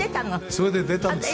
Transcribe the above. それで出たんです。